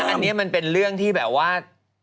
อันนี้มันเป็นเรื่องที่แบบว่า